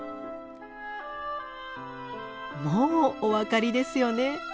もうお分かりですよね。